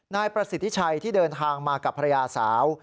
นายประสิทธิชัยที่เดินทางมากับภรรยาสาว